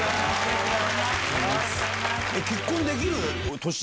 結婚できる年？